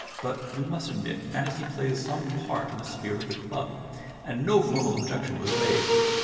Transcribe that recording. But, we must admit, fantasy plays some part in the spirit of the club, and no formal objection was raised.